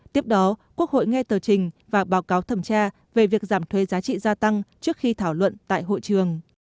tiếp đó quốc hội nghe tờ trình và báo cáo thẩm tra về việc giảm thuế giá trị gia tăng trước khi thảo luận tại hội trường